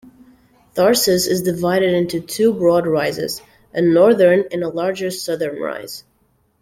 Tharsis is divided into two broad rises, a northern and a larger southern rise.